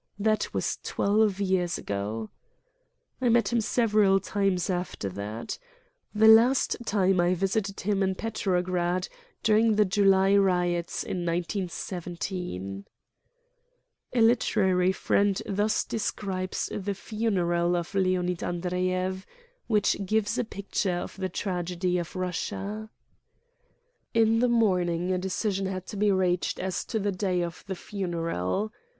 That was twelve years ago. I met him several times after that. The last time I visited him in Petrograd during the July riots in 1917, A literary friend thus describes the funeral of Leonid Andreyev, which gives a picture of the tragedy of Russia: "In the morning a decision had to be reached as to the day of the funeral.